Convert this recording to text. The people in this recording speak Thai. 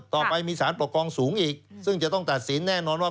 ต่อไปมีสารปกครองสูงอีกซึ่งจะต้องตัดสินแน่นอนว่า